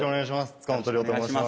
塚本凌生と申します。